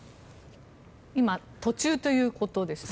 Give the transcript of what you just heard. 今、途中ということですね。